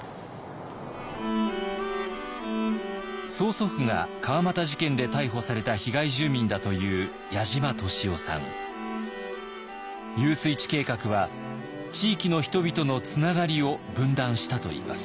曽祖父が川俣事件で逮捕された被害住民だという遊水池計画は地域の人々のつながりを分断したといいます。